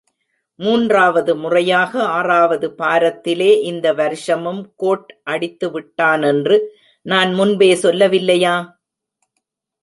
மூன்றாவது முறையாக ஆறாவது பாரத்திலே இந்த வருஷமும் கோட் அடித்துவிட்டானென்று நான் முன்பே சொல்லவில்லையா?